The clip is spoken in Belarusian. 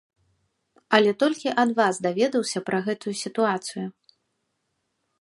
Але толькі ад вас даведаўся пра гэтую сітуацыю.